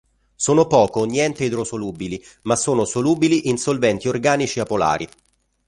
Sono poco o niente idrosolubili ma sono solubili in solventi organici apolari.